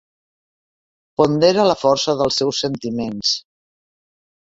Pondera la força dels seus sentiments.